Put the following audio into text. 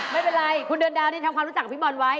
ไม่เป็นไรคุณเดือนดาวนี่ทำความรู้จักกับพี่บอลไว้